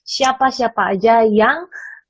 siapa siapa aja yang